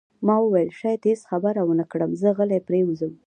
ما وویل: شاید هیڅ خبرې ونه کړم، زه غلی پرېوځم.